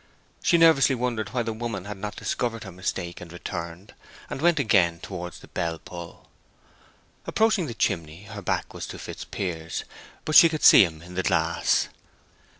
She nervously wondered why the woman had not discovered her mistake and returned, and went again towards the bell pull. Approaching the chimney her back was to Fitzpiers, but she could see him in the glass.